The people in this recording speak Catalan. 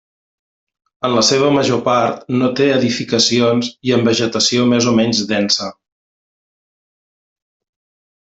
En la seva major part no té edificacions i amb vegetació més o menys densa.